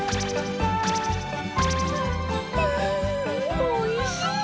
んおいしい！